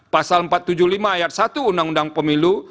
pasal empat ratus tujuh puluh lima ayat satu undang undang pemilu